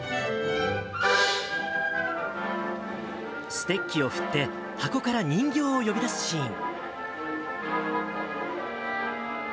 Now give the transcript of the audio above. ステッキを振って箱から人形を呼び出すシーン。